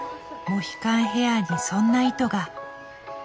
モヒカンヘアにそんな意図が。